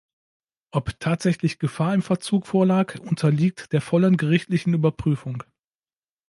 Ob tatsächlich Gefahr im Verzug vorlag, unterliegt der vollen gerichtlichen Überprüfung.